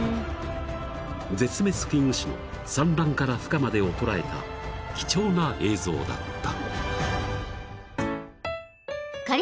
［絶滅危惧種の産卵からふ化までを捉えた貴重な映像だった］